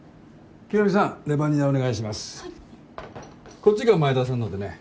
こっちが前田さんのでね